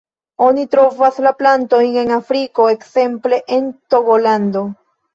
Oni trovas la plantojn en Afriko ekzemple en Togolando.